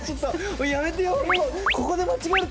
やめてよっ